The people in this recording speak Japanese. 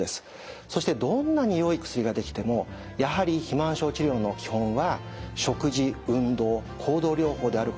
そしてどんなによい薬が出来てもやはり肥満症治療の基本は食事運動行動療法であることに変わりはありません。